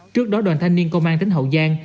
trước đó đoàn thanh niên công an tỉnh hậu giang